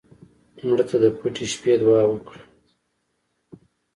مړه ته د پټه شپه دعا وکړه